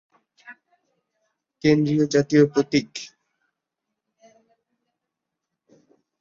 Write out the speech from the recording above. কেন্দ্রে জাতীয় প্রতীক।